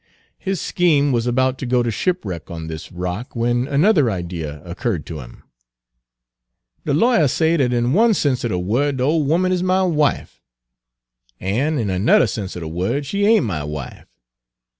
His scheme was about to go to shipwreck on this rock, when another idea occurred to him. "De lawyer say dat in one sense er de word de ole 'omen is my wife, an' in anudder sense er de word she ain't my wife.